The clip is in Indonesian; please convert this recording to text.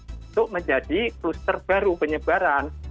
untuk menjadi kluster baru penyebaran